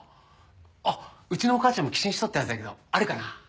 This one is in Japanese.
あっうちのお母ちゃんも寄進しとったはずやけどあるかな？